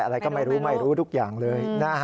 อะไรก็ไม่รู้ไม่รู้ทุกอย่างเลย